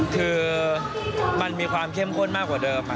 คือมันมีความเข้มข้นมากกว่าเดิม